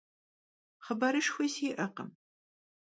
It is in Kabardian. Xhıbarışşxui şı'ekhım.